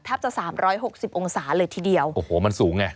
ทับจะ๓๖๐องศาเลยทีเดียวโอ้โหมันสูงไง